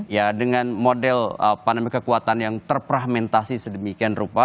ya dengan model pandemi kekuatan yang terpragmentasi sedemikian rupa